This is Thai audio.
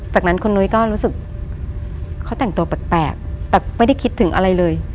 จากนั้นคุณนุ้ยก็รู้สึกเขาแต่งตัวแปลกแต่ไม่ได้คิดถึงอะไรเลย